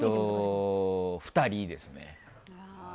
２人ですね。